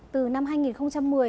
từ năm hai nghìn một mươi